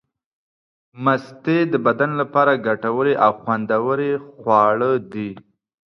مستې د بدن لپاره ګټورې او خوندورې خواړه دي.